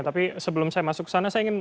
tapi sebelum saya masuk ke sana saya ingin